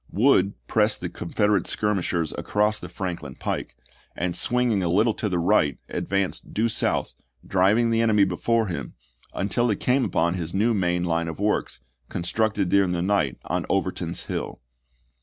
Wood pressed the Confederate skir mishers across the Franklin pike, and swinging a little to the right, advanced due south, driving the enemy before him, until he came upon his new main line of works, constructed during the night on Overton's Hill.